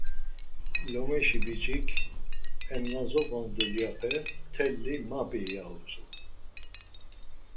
Lomeşi biç̌ik, Hem na zop̌on dulyape mteli ma p̌i ya utzu.